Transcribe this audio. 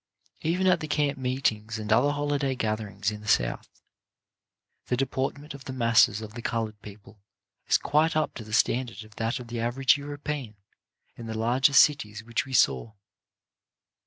Even at the camp meetings and other holiday gatherings in the South, the deportment of the masses of the coloured people is quite up to the standard of that of the average European in the larger cities which we saw.